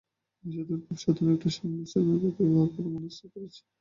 ওষুধের খুব সাধারণ একটা সংমিশ্রণ আমি ব্যবহার করা মনস্থ করেছি।